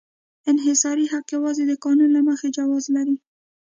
انحصاري حق یوازې د قانون له مخې جواز لري.